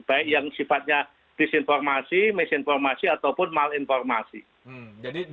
baik yang sifatnya disinformasi misinformasi ataupun malinformasi